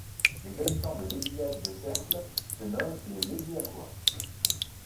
Les habitants de Léguillac-de-Cercles se nomment les Leguillacois.